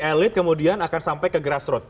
elit kemudian akan sampai ke grassroots